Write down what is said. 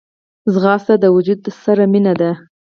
منډه د وجود سره مینه ده